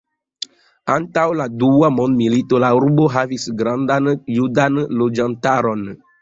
Antaŭ la Dua mondmilito, la urbo havis gravan judan loĝantaron.